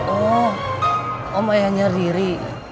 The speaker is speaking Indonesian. oh om ayahnya riri